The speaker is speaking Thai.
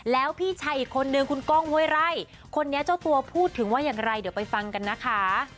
แล้วพี่ชายอีกคนนึงคุณก้องห้วยไร่คนนี้เจ้าตัวพูดถึงว่าอย่างไรเดี๋ยวไปฟังกันนะคะ